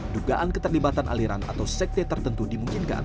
dugaan keterlibatan aliran atau sekte tertentu dimungkinkan